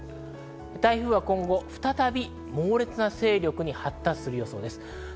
台風は再び猛烈な勢力に発達する予想です。